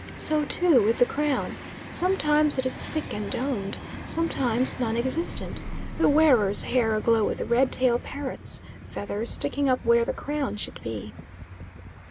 So, too, with the crown. Sometimes it is thick and domed, sometimes non existent, the wearer's hair aglow with red tail parrots' feathers sticking up where the crown should be.